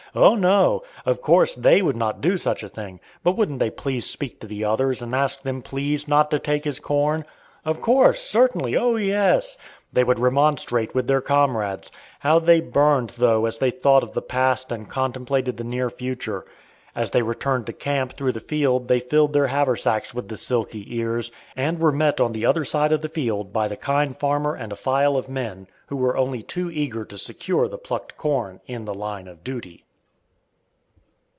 Oh no! of course they would not do such a thing; but wouldn't they please speak to the others and ask them please not to take his corn? Of course! certainly! oh, yes! they would remonstrate with their comrades. How they burned, though, as they thought of the past and contemplated the near future. As they returned to camp through the field they filled their haversacks with the silky ears, and were met on the other side of the field by the kind farmer and a file of men, who were only too eager to secure the plucked corn "in the line of duty."